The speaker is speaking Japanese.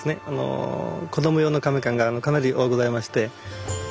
子供用の甕棺がかなり多ございまして。